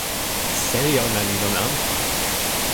sewi ona li lon anpa!